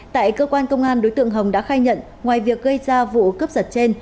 tại cơ quan công an đối tượng hồng đã khai nhận ngoài việc gây ra vụ cướp giật trên